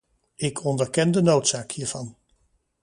Ik onderken de noodzaak hiervan.